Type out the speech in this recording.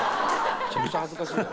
めちゃくちゃ恥ずかしいよ。